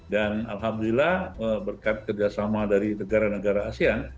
dan alhamdulillah berkat kerjasama dari negara negara asean